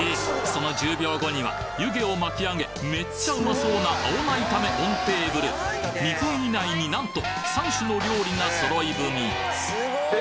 その１０秒後には湯気を巻き上げめっちゃうまそうな青菜炒めオンテーブル２分以内になんと３種の料理がそろい踏み